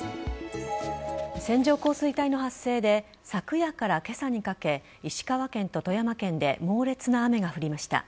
線状降水帯の発生で昨夜から今朝にかけ石川県と富山県で猛烈な雨が降りました。